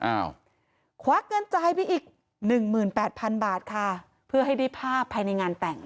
อ้าวควักเงินจ่ายไปอีกหนึ่งหมื่นแปดพันบาทค่ะเพื่อให้ได้ภาพภายในงานแต่ง